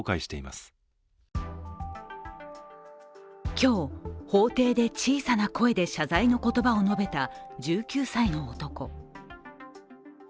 今日、法廷で小さな声で謝罪の言葉を述べた１９歳の男。